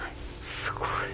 すごい。